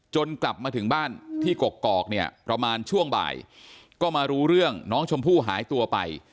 กลับมาถึงบ้านที่กกอกเนี่ยประมาณช่วงบ่ายก็มารู้เรื่องน้องชมพู่หายตัวไป